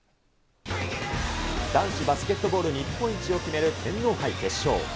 男子バスケットボール日本一を決める天皇杯決勝。